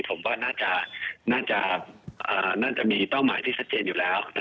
ผมว่าน่าจะมีเป้าหมายที่ชัดเจนอยู่แล้ว